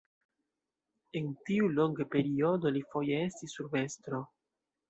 En tiu longe periodo li foje estis urbestro.